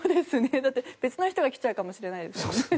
だって別の人が来ちゃうかもしれないですもんね。